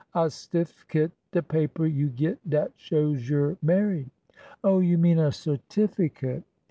" A stiffkit. De paper you git dat shows you 're mar ried." '' Oh h, you mean a certificate."